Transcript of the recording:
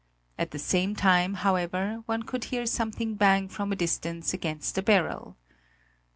At the same time, however, one could hear something bang from a distance against the barrel.